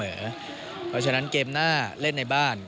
เพราะฉะนั้นเกมหน้าเล่นในบ้าน